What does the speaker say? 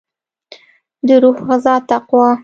دروح غذا تقوا